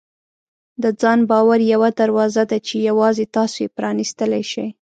د ځان باور یوه دروازه ده چې یوازې تاسو یې پرانیستلی شئ.